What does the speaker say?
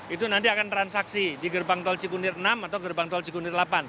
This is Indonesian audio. itu nanti akan transaksi di gerbang tol cikunir enam atau gerbang tol cikunir delapan